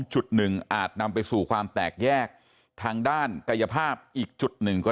จุดหนึ่งอาจนำไปสู่ความแตกแยกทางด้านกายภาพอีกจุดหนึ่งก็